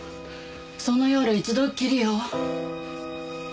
その夜一度きりよ。